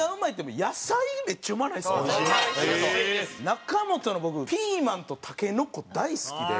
中本の僕ピーマンとたけのこ大好きで。